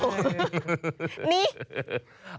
นี่